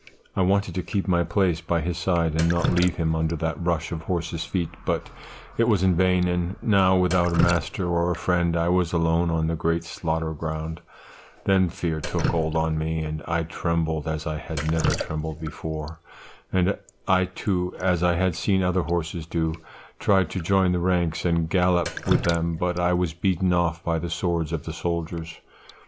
"I wanted to keep my place by his side and not leave him under that rush of horses' feet, but it was in vain; and now without a master or a friend I was alone on that great slaughter ground; then fear took hold on me, and I trembled as I had never trembled before; and I too, as I had seen other horses do, tried to join in the ranks and gallop with them; but I was beaten off by the swords of the soldiers.